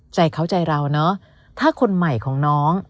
ใจเขาใจเราเนอะถ้าคนใหม่ของน้อง